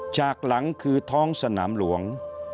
จากหลังคือท้องสนามหลวง